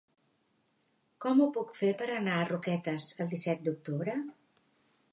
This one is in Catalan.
Com ho puc fer per anar a Roquetes el disset d'octubre?